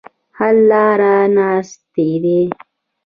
حل لاره ناستې دي.